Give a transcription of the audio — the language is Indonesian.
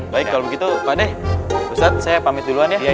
baik kalau begitu pak deh ustadz saya pamit duluan ya